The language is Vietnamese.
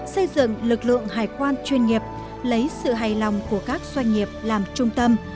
xây dựng lực lượng hải quan chuyên nghiệp lấy sự hài lòng của các doanh nghiệp làm trung tâm